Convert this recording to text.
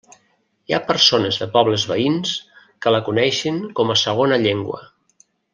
Hi ha persones de pobles veïns que la coneixen com a segona llengua.